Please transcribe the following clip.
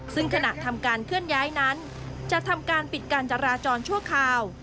ซึ่งขณะทำการเคลื่อนย้ายนั้นจะทำการปิดการจราจรชั่วคราว